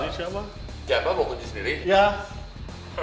bawa kunci sendiri siapa